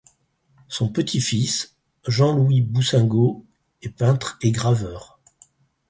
Son petit-fils, Jean-Louis Boussingault, est peintre et graveur.